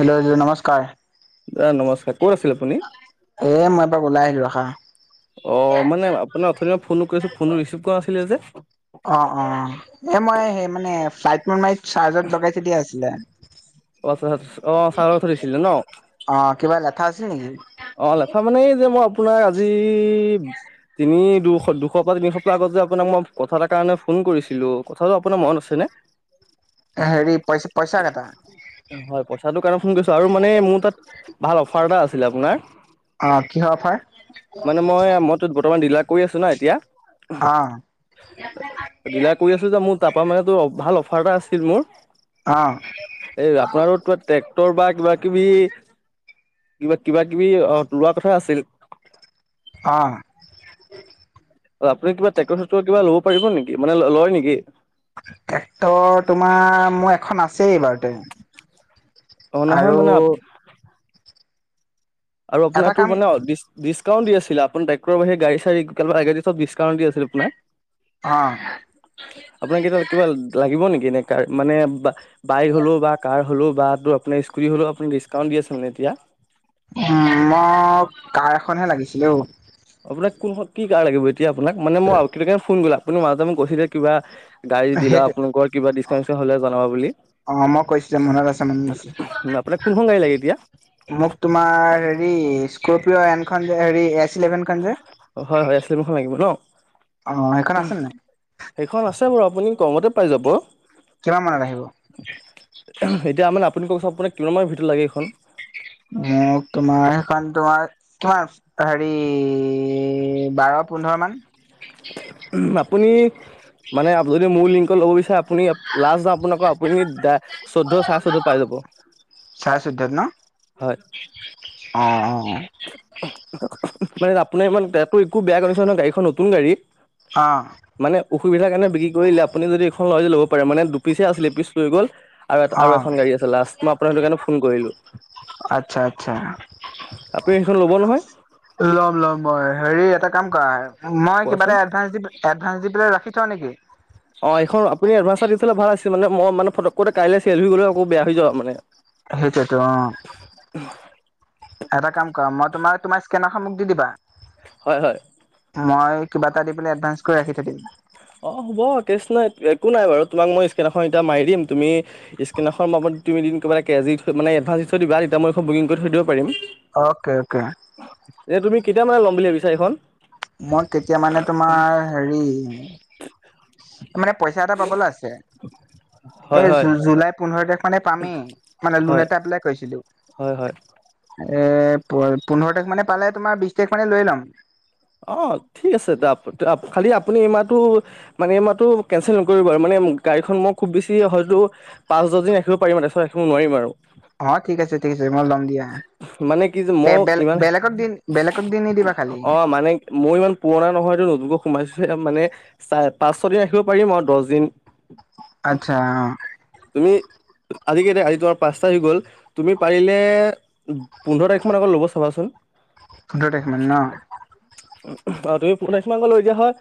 Hello নমস্কাৰ। দাদা নমস্কাৰ ক'ত আছিল আপুনি? এ মই এপাক ওলাই আহিলো ৰখা অ মানে আপোনাৰ অথনিৰে পৰা ফোন কৰি আছো ফোনটো ৰিচিভ কৰা নাছিলে যে অ অ এ মই সেই মানে ফ্লাইট মুদমাৰি চাৰ্জত লগাই থৈ দিয়া আছিলে অ অ চাৰ্জত থৈ দিছিলে ন। অ কিবা লেঠা আছিল নিকি? অ লেঠা মানে এই যে মই আপোনাৰ আজি তিনি দুশ দুশ পৰা তিনি সপ্তাহ আগত যে আপোনাক মই কথা এটা কাৰণে ফোন কৰিছিলোঁ কথাটো আপোনাৰ মনত আছেনে? হেৰি পইচা পইচা কেইটা [inaudible] হয় পইচাটোৰ কাৰণে ফোন কৰিছো আৰু মানে মোৰ তাত ভাল অফাৰ এটা আছিলে আপোনাৰ অ কিহৰ অফাৰ? মানে মই মইতো বৰ্তমান দিলাৰত কৰি আছো না এতিয়া অ' ডিলাৰ কৰি যে মোৰ তাৰ পৰা মানে তটো ভাল অফাৰ এটা আছিল মোৰ অ এই আপোনাৰোিবা ট্ৰেক্টৰ বা কিবা কিবি কিবা কিবা কিবি লোৱা কথা আছিল অঁ অপুনি কিবা ট্ৰেকৰ চে কিবা লব পাৰিবে মানে লয় নেকি এক্টৰ তোমাৰ মোৰ এখন আছে বাৰুতে অ নহয় আৰু মানে আৰু এটা আপোনাৰ তো কাম মানে ডিকাউট দি আপ টেক্টৰ বাহি গডী চাৰি এগিব ডিছকাউট দি আছিল আোনাক অ আপোনাক এতিয়া কিবা লাগিব নেকি এ কাৰ মানে বা বাইক হ'লেও কাৰ হ'লে বাতো আপোনাৰ স্কুট হ'লেও আপুনি ডিছকাউণ্ট দি আছোনে এতিয়া উ মই কাৰ এখনহে লাগিছিলো আপোনাক কোনখন কি কাৰ লাগিব এতিয়া আপোনাক মানে মই কাৰণে ফোন গলা আপুনি মাজতে মোক গৈছিলে কিবা গাড়ী দিলা সেইটো আপোনোক কিবা ডিছকাউটছকা হলে জনাব বুলি অ মই কৈছিলো মনত আছে মনত আছে আপোনাক কোনখন গাড়ী লাগে এতিয়া মোক তোমাৰ হেৰি স্কপিঅ এনখন যে হেৰি এ হয় হয় আছিললী মুখ লাগিব ন অ সেইখন আছে নাই সেইখন আছে বাৰু আপুনি কমতে পাই যাব কিমান মানত আহিব এতিয়া মানে আপুনি কওকচোন আপোনাক কিমান মৰ ভিতৰত লাগে এইখন অ তোমাৰ সেইখন তোমাৰ তোমাৰ হেৰি বাৰ পোন্ধৰ মান আপুনি মানে যদি মোৰ লিংকত ল'ব বিচাৰে আপুনি লাষ্ট য আপোনালোকৰ আপুনিা চৈধ্য চাই চৈধ্য পাই যাব চাই চধ্যত ন হয় অ অ মানে আপোনাৰ ই তো একো বেয়া কণশ্যন নহয় গাড়ীখন নতুন গাড়ী হা মানে অসুবিধাৰ কাৰণে বিক্ৰী কৰিলে আপুনি যদি এইখন লয় য ল'ব পাৰে মানে দুপিচে আছিলে পিচ লৈ গ'ল আৰুটা আৰু এখন গাড়ী আছে লাষ্ট মই আপোনাৰ সেইটো কাৰণে ফোন কৰিলো আচ্ছা আচ্ছা আপুনি সেইখন ল'ব নহয় ল'ম ল'ম মই হেৰি এটা কাম কৰা মই কিবা কোৱাচোন এটা এডভাস দিম এডভান্স দি পেলাই ৰাখি থ নেকি অঁ এইখন আপুনি এডভাঞ্চ এ দি থ'লে ভাল আছিল মানে মই মানে ফকতে কাইলৈ চেল হৈ গ'লে আকৌ বেয়া হৈ যাব মানে সেইটোৱেতো অ এটা কাম কৰা মই তোমাৰ তোমাৰ স্কেনাৰখন মোক দি দিবা হয় হয় মই কিবা এটা দি পেলাই এডভা্স কৰি ৰাখি থাকিম অ হ'ব কেচ নাই একো নাই বাৰু তোমাক মই স্কেনখন এতিয়া মাৰি দিম তুমি স্ক ম তুন কব কে থ মে এডভা্ দি থৈ দিবা তেতিয়া মইখন বুকিং কৰি থৈ দিব পাৰিম। অকে-অকে এ, তুমি কেতিয়া মানে ল'ম বুলি ভাবিছা এইেইখন মই কেতিয়া মানে তোমাৰ হেৰি মানে পইচা এটা পাবলৈ আছে হয় এই হয় জুলাই পোন্ধৰ তাৰিখ মানে পামেই মানে লোন হয় এটা পেলাই কৈছিলো। হয় হয় এ প পোন্ধৰ তাৰিখ মানে পালে তোমাৰ বিশ তাৰিখ মানে লৈ ল'ম অ', ঠিক আছে দ খালি আপুনি ইমানো। মানে মইো কেনচেল নকৰিব আৰু মানে গাড়ীখন মই খুব বেছি হয়টো। পাঁচ দিন ৰাখিব পাৰিমাৰিছত ৰাখিব নোৱাৰিম আৰু অ', ঠিক আছে। ঠিক আছে। মই ল'ম দিয়া। মানে কি যে মোক বেলে ইমান বেলেগক দিন বেলেগক দিন নিদিবা খালি। মই ইমান পুৰণা নহয়। এইটো নতুনকৈ সোমাইছো মানে চাই পাঁচ ছদিন ৰাখিব পাৰিম আৰু দহ দিন আচ্ছা অ, তুমি, আজিকেইটা আজি তোমাৰ পাঁচটা হৈ গ'ল। তুমি পাৰিলে পোন্ধৰ তাৰিখমান আগত ল'ব চাবাচোন। পোন্ধৰ তাৰিখমানান ন তুমি পূণ মাংসল লৈ যিয়া হয়।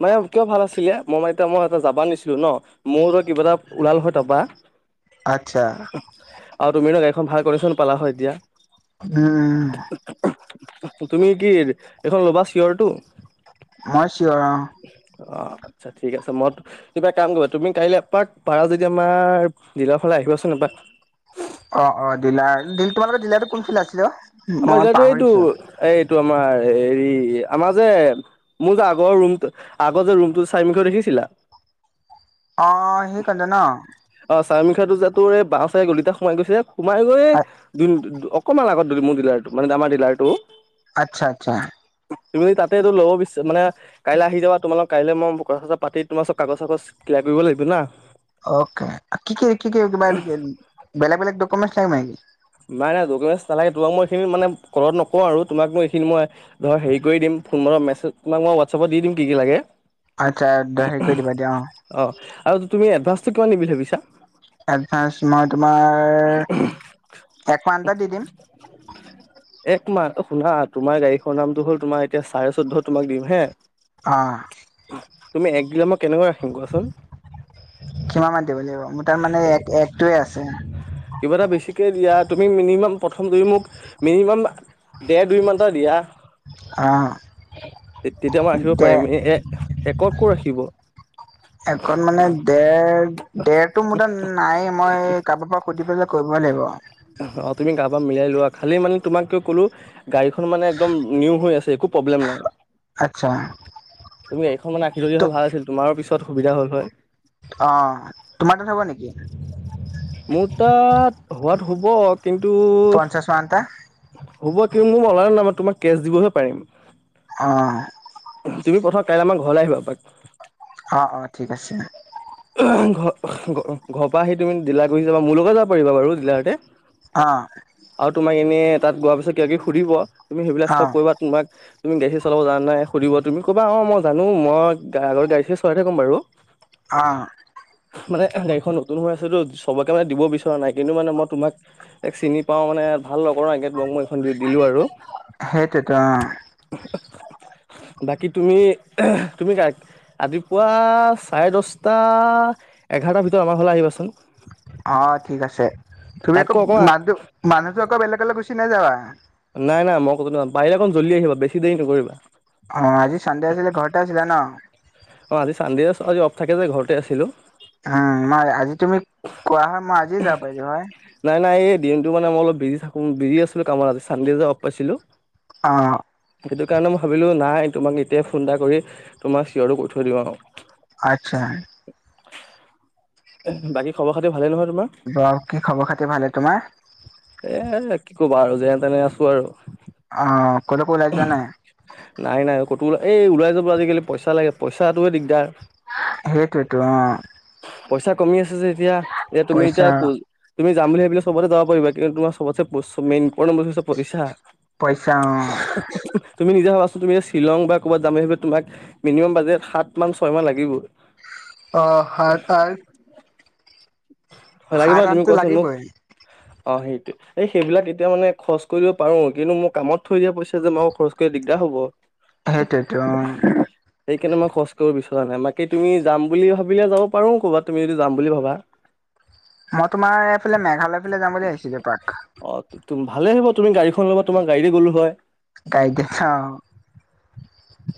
মানে কিয় ভাল আছিলে মই মানে এতি মই এটা যাবা নিছিলো ন। মোৰ ত কিবা এটা ওলাল হয় তাৰপৰা আচ্ছা, আৰু তুমি ন গা়ীখন ভাল কণ্শ্যন পালা হয় এতিয়া উম, তুমি কি এইখন ল'বা চিঞৰটো মই চিঞৰ অ, অ', আচ্ছা ঠিক আছে। মইত কিবা কাম কৰিবা তুমি কাইলৈ এপাক পাৰা যদি আমাৰ দিলৰ ফালে আহিবাচোন এপাক অ', অ, ডিললাৰিল তোমালোকৰ ডিলাৰটো কোন ফিল্ড আছিলে। অ, আমাৰ মই সতিতো এইটো পাহৰিছো এইটো আমাৰ হেৰি আমাৰ যে, মোৰ যে আগৰ ৰুমটো আগতে ৰুমটো চাইমিখ দেখিছিলা। অ, সেই কন্দে ন? অ, চা মিখা টো যে তোৰ বাঁওঁ চাই গলিতা সোমাই গৈছে সোমাই গৈ অকমান আগত ম, দিলাই মানেমাৰ দিলাই। আচ্ছা-আচ্ছা তুমি তাতেটো ল'ব বিচাৰা মানে কাইলৈ আহি যাবা তোমালোক কাইলৈ মই কথাথা পাতি তোমাৰ চব কাগজ চাগজ কলিয়াৰ কৰিব লাগিব না অকে কি-কি-কি-কি কিবা বেলেগ বেলেগ ডকুমেন্ট লাগিব নেকি? নাই-নাই ডকুমেট নালাগে তোমাক মই এইখিনি মানে কৰত নকওঁ আৰু তোাক মই এইখিনি মই ধৰ হেৰি কৰি দিম ফোন মূৰ মেছেজ তোমাক মই হোৱাটছআপত দি দিম কি-কি লাগে। আচ্ছা দ হেৰি কৰি দিবা দিয়া অ, অ', আৰু তুমি এডভা্ঞ্চটো কিমান নিবি ভাবিছা? এডভানস মই তোমাৰ এক মাহ এটা দি দিম [inaudible] এক মাহ শুনা তোমাৰ গাড়ীখনৰ নামটো হ'ল তোমাৰ এতিয়া চাৰে [unintelligible] তোমাক দিম হে অ', তুমি একগিলামৰ কেনেকৈ ৰাখিম কোৱাচোন। কিমান মান দিব লাগিব মোৰ তাৰ মানে এ এক একটোৱে আছে। কিবা এটা বেছিকে দিয়া তুমি মিনিমাম প্ৰথম যদি মোক মিনিমাম দে দুই মমানটা দিয়া অঁ তেতিয়া মই ৰাখিব পাৰিম এ একত ক ৰাখিব একণ মানে দেৰ দেৰ টো মু ত নাই মই কোোৰ পৰা সুধি পেলাই কৰিবই লাগিব অ তুমি কাৰাব পৰা মিলাই লোৱা খালি মানে তোমাক কিয় কলো গাড়ীখন মানে একদম নিউ হৈ আছে একো প্ৰব্লেম নাই আচ্ছা তুমি এইখন মান আখি জদি ত হ ভাল আছিল তোমাৰো পিছত সুবিধা হ'ল হয়। অ' তোমাৰ তাত হ'ব নেকি? মোৰ তাত হোৱাত হ'ব কিন্তু পঞ্চাশ মান এটা হ'ব কি মোৰ মনল নাই তোমাক কেছ দিবহে পাৰিম। অ'। তুমি প্ৰথম কাইলৈ আমাৰ ঘৰলৈ আহিবা এপাক। অ', অ' ঠিক আছে। ঘ ঘ ঘৰপ পৰা আহি তুমি জিলা গহি যাবা মোৰ লগত যাব পাৰিবা বাৰু জিলাতে। অ' আৰু তোমাক এনেই তাত গোৱাৰ পিছত কিব ক সুধিব তুমি সেইবিলাক অ চব কৰিবা তোমাক তুমি গা়ী চাব জান নাই সুধিব তুমি ক'বা অ' মই জানো মই আগৰ গাড়ী চে চলাই থাকম বাৰু। অ'। মানে গাড়ীখন নতুন হৈ আছেতো চবকে মানে দিব বিচৰা নাই কিন্তু মানে মই তোমাক এক চিনি পাও মানে ভাল নকৰ এগে ব মই এইখন দি দিলো আৰু। সেইটোতো [unintelligible] বাকী তুমি তুমি ৰাতিপুৱা চাৰে দহ সটা এঘাৰটাৰ ভিতৰত আমাৰ হ'লে আহিবাচোন। অ' ঠিক আছে তুমি আকৌ তাতকৈ অকণমান মানুহ মানুহতো আকৌ বেলেগলৈ গুচি নাযাবা। নাই নাই মই কতো ন বাহি এক জলি আহিব বেছি দেৰি নকৰিবা। অ' আজি সন্ডে আছিলে ঘৰতে আছিলে ন? অ' আজি চানণ্ডে আজি অফ থাকে যে ঘৰতে আছিলোঁ। উম, মই আজি তুমি কোৱা হয় মই আজি যাব পাৰিলো হয়। নাই নাই এই দিনটো মানে মই অলপ বিজি থাকোঁ বিজি আছিলোঁ কামত আজি চানডে যে অপ পাইছিলোঁ। অ'। সেইটো কাৰণে মই ভাবিলোঁ নাই তোমাক এতিয়াই ফোন এটা কৰি তোমাক চিঞৰটো কৰিৈ থৈ দিওঁ আৰু। আত্ছা। বাকী খৰ খাতি ভালেই নহয়োমাৰ? বাকি খবৰ খাতি ভালে, তোমাৰ? এ কি কবা আৰু যেনে তেনে আছো আৰু। অ' ক'লৈকো ওলাই যোৱা নাই? নাই নাই ক'তো ওল এই ওলাই যাবলৈ আজিকালি পইচা লাগে পইচাাটোৱে দিগদাৰ। সেইটোৱতো অ'। পইচা কমি আছে যে এতিয়া এতিয়া তুমি পইচা এতিয়া তুমি যাম বুলি ভাবিলে চবতে যাব পাৰিবা কিুমাৰ চবত মন হৈছে পইচা। পইচা অ'। তুমি নিজে ভাবাচোন তুমি যে শ্বিলং বা ক'ৰবাত যামেই সি তোমাক মিনিমাম বাজেট সাত মান ছয় মমান লাগিব। অ' হয় লাগিবা সাত তুমি আঠটো কোৱাচোন মোক? লাগিবই। অ' সেইটোৱে এই সেইবাক এতিয়া মানে খচ কৰিব পাৰো কিন্তু মোৰ কামত থৈ দিয়া পইচা যে মই খৰচ দিগদাৰ হ'ব। সেইটোতো অ'। সেইকাৰণে মই খৰচ কৰিব বিচৰা নাই বাকী তুমি যাম বুলি ভাবিলে যাব পাৰোঁ ক'ৰবাত তুমি যদি যাম বুলি ভাবা। মই তোমাৰ এইফালে মেঘালয় ফালে যাম বুলি ভাবিছিলো পাৰ্ক। অ' তম ভালে আহিব তুমি গাড়ীখন ল'বা তোমাৰা গাড়ী দি গ'লো হয়। গাইতি অ'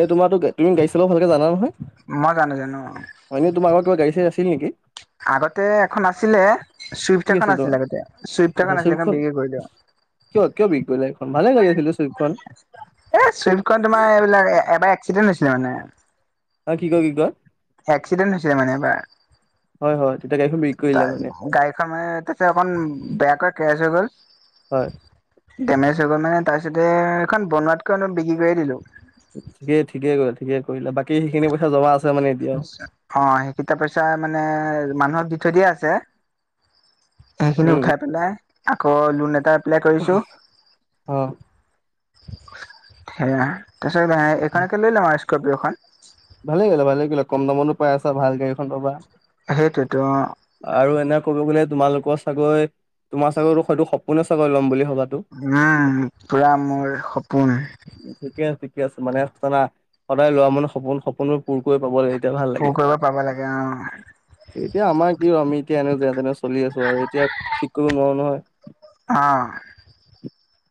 এ তোমাৰো তুমি গাড়ী চলাব ভালকে জানা নহয়। মই জানো জানো। হয়নে তোমালোকৰ গাড়ী চাই আছেনেকি? আগতে এখন আছিলে চুইফ্টি কি এখন আছিল আছিলে তোমাৰ আগতে চুইফ্টি এখন আচ্ছা আছিলে এখন চুইফ্টখন বিক্ৰী কৰিলে। কিয় কিয় বিক্ৰী কৰিলা এখন ভালে লাগিছিলে আছিল চুইফ্টি খন। এই চুইফ্টখন তোমাৰ এইবিলাক এবাৰ এক্সিডেণ্ট হৈছিলে মানে। অ' কি কয়, কি কয়। এক্সিডেণ্ট হৈছিলে মানে এবাৰ। হয়, হয়। তেতিয়া গাড়ী খন ত গাড়ীখন তাতে অকমান বেয়াকৈ কেচ হৈ গ'ল। হয় ডেমেজ হৈ গ'ল মানে তাৰপিছতে এইখন বনোৱাতকৈ বিক্ৰী কৰিয়ে দিলোঁ। ঠিকেই ঠিকে কৰি ঠিকে কৰিলে বাকী সেইখিনি পইচা জমা। মানে এতিয়াও অ' সেই কটা পইচা মানে মানুহক দি থৈ দিয়ে আছে। সেইখিনি উম উম উঠাই পেলাই আকৌ লোন এটাত। এপ্লেলাই কৰিছো অ সেয়া তাৰপিছত এইখনকে লৈ লম আৰু স্কৰ্পিঅ' খন ভালে কৰিলা, ভালে কৰিলা, কম দামতো পাই আছা ভাল গাড়ীএখনন পাবা। সেইটোৱেতো। আৰু এনে কলো তোমালোকৰ চাগৈ তোমাৰ চাগৈ হয়তো সপোনে চাগৈ লম বুলি ভবাটো। উম, পুৰা মোৰ সপোন। ঠিকে আছে, ঠিকে আছে, মানে সদায় লোৱা মানে সপোন সপোনো পোৰকৈ পাব লাগে, এতিয়া ভাল পুৰ লাগে। কৰিব পাব লাগে অ এতিয়া আমাৰ কি আমি এতিয়া এনে যেনে তেনে চলি আছো আৰু এতিয়া ঠিক কৰিব নোৱাৰো নহয়। অ'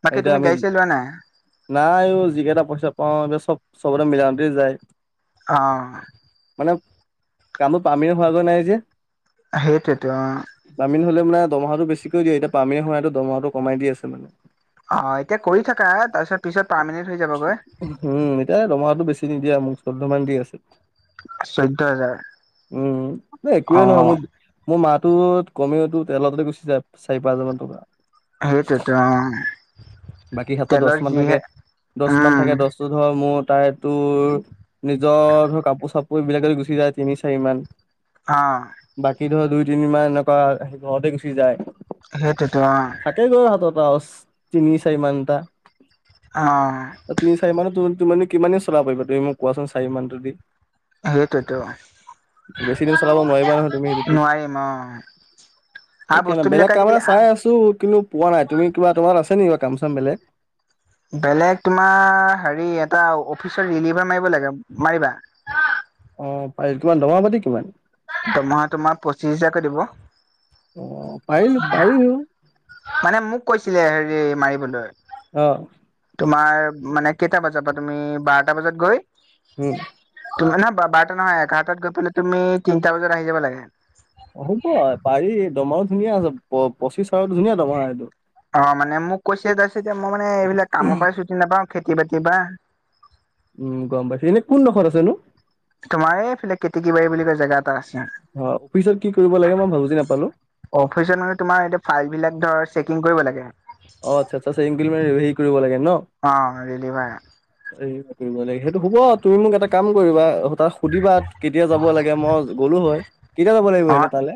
বাকী এতিয়া তুমি আমি গাড়ী চাড়ি লোৱা নাই। নাই যিকেইটা পইচা পাওঁ এইব চ'ব চবতে মিলাওতে যায়। অ' মানে কামটোৰ পাৰমেনেন হোৱগৈ নাই যে। সেইটোৱে টো পামিনেন হ'লে মানে দমহাটো বেছিকৈ দিয়ে, এতিয়া পামিনেন হোৱাৰ নাই দমহাটো কমাই দি আছে মানে অ' এতিয়া কৰি থাকা তাৰপিছত পিছত পাৰ্মেন্ট হৈ যাবগৈ। উম, এতিয়া দমহাটো বেছি নিদিয়া মোক চৈধ্য মান দি আছে। চৈধ্য হাজাৰ উম, ন একোৱেই নহয় অ মোৰ। মোৰ মাহটো কমিওতো তেলতে গুচি যায় চাৰি পাঁচ হাজাৰ মান টকা। সেইটোৱে টো তেলৰ যিহে দচ মান উম থাকে দহটো ধৰ মোৰ তাই তোৰ। নিজৰ ধৰ কাপোৰ চাপোৰ এইবিলাকে গুচি যায় তিনি চাৰি মান। অ' বাকী ধৰ দুই তিনি মাহ এনেকুৱা ঘৰতে গুচি যায়। সেইটোৱেটো অ'। থাকে গৈ হাতত তিনি চাৰি মান এটা। অ' তিনি চাৰি মান তুমি কিমানেই চলাব পাৰিবা তুমি মোক কোৱাচোন চাৰি মানটো। সেইটোতো বেছি দিন চলাব নোৱাৰিবা নহয় তুমি সেটোদি। নোৱাৰিম অ আৰু সেইকাৰ বস্তুবিলাক বেলেগ কাম আজিকালি এটা চাই আছো কিন্তু পোৱা নাই তুমি কিবা তোমাৰ আছ নেকি বা কাম চাম বেলেগ। বেলেগ তোমাৰ হেৰি এটা অফিচত ৰিনিভাৰ মাৰিব লাগে মাৰিবা। অ' পাৰিম তোমাৰ দৰমহা পাতি কিমান। দৰমহা তোমাৰ পঁচিচ্ছ হোজাৰকৈ দিব। অ পাৰিলো পাৰিলো মানে মোক কৈছিলে হেৰি মাৰিবলৈ অ তোমাৰ মানে কেইটা বজাৰ পৰা তুমি বাৰটা বজাত গৈ হম তমাৰ নহয় বাৰটা নহয় এঘাৰটাত গৈ পেলাই তুমি তিনিটা বজাত আহি যাব লাগে হ'ব পাৰি দমাৰো ধুনীয়া আছে প পঁচিছ চাৰো ধুনীয়া দমাৰ এইটো অ মানে মোক কৈছে তাৰপিছততি মই মানে এইবিলাক কামৰ পৰাই ছুটি নাপাওঁ খেতি বাতিৰ পৰা উম গম পাইছো এনে কোনডোখৰত আছে নো তোমাৰ এইফালে কেতিকী বাৰী বুলি কয় জেগা এটা আছে। অ পিছত কি কৰিব লাগে মই বুজি নাপালোঁ। অফিচত মানে তোমাৰ এতিয়া ফাইল বিলাক ধৰ চেকিং কৰিব লাগে। অ আচ্ছ আচ্ছা [unintelligible] কৰিব লাগে নহ। অ। [unintelligible] [unintelligible] সেইটো হব তুমি মোক এটা কাম কৰিবা তাক সুধিবা। কেতিয়া যাব লাগে মই গ'লো হয় কেতিয়া যাব লাগিব এনে তালৈ।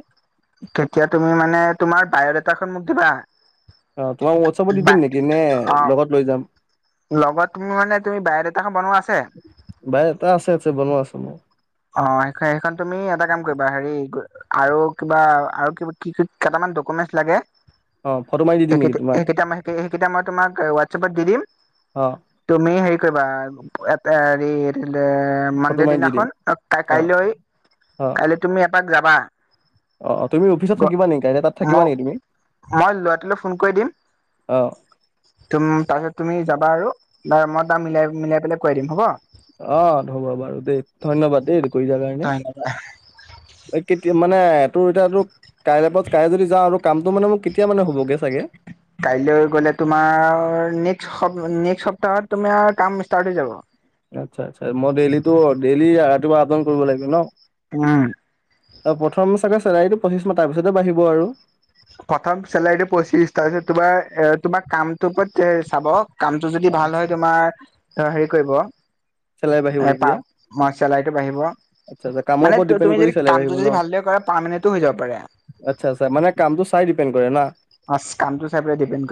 কেতিয়া তুমি মানে তোমাৰ বায়'ডাটা খন মোক দিবা। অ তোমাক হোৱাটছআপত দি বা দিম নেকি নে অ লগত লৈ যাম। লগত তুমি মানে তুমি বায়'ডাটা খন বনোৱা আছে। বায়'ডাটা আছে, আছে বনোৱা আছে মোৰ। অ সে-সেইখন তুমি এটা কাম কৰিবা হেৰি। আৰু কিবা আৰু কিবা কি কেইটামান ডকুমেন্টচ লাগে। অ ফটো মাৰি দি [unintelligible] দিম নেকি তোমাক সেইকেইটা মই তোমাক হোৱাটছএপত দি দিম। অ তুমি হেৰি কৰিবা [unintelligible] হেৰি ফটো মানডে মাৰি দি দিনাখন। দিম অ কাই-কাইলৈ অ কাইলৈ তুমি এপাক যাবা। অ তুমি অফিচত থাকিবা নেকি কাইলৈ তাত থাকিবা মই নেকি তুমি। মই ল'ৰাটোলৈ ফোন কৰি দিম অ। তুম তাৰপিছত তুমি যাবা আৰু মই তাৰ মিলাই, মিলাই পেলাই কোৱাই দিম হ'ব। অ হ'ব বাৰু দেই ধন্যবাদ দেই [unintelligible] কাৰণে। কেতিয়া মানে তোৰ এতিয়া তোৰ কাইলৈ প কাইলৈ যদি যাওঁ আৰু। কামটো মানে মোক কেতিয়া মানে হ'বগৈ চাগে। কাইলৈ গ'লে তোমাৰ নেক্স সপ্তাহত তোমাৰ কাম ষ্টাৰ্ট হৈ যাব। আচ্ছা আচ্ছা মই ডেইলিতো ডেইলি ৰাতিপুৱা আপ ডাউন কৰিব লাগিব নহ। উম। অ প্ৰথম চাগে চেলাৰীটো পঁচিছ মাহ তাৰ পিছতে বাঢ়িব আৰু। প্ৰথম চেলাৰীটো পঁচিশ তাৰ তোমাৰ, তোমাৰ কামটোৰ ওপৰত চাব। কামটো অ যদি ভাল আচ্ছা হয় তোমাৰ হেৰি কৰিব। চেলাৰী [unintelligible] বাঢ়িব তেতিয়া তোমাৰ চেলাৰিটো বাঢ়িব। আচ্ছা আচ্ছা কামৰ মানে ওপৰত ডিপেণ্ড তুমি কৰি যদি চেলাৰী বাঢ়িব কামটো ন যদি ভালদৰে কৰা পাৰ্মমানেণ্টো হৈ যাব পাৰে। আচ্ছা আচ্ছা মানে কামটো চাই ডিপেণ্ড কৰে না। [unintelligible] কামটো চাই পিনে ডিপেণ্ড কৰি